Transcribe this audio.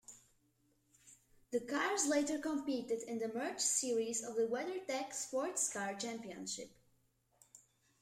The cars later competed in the merged series of the WeatherTech SportsCar Championship.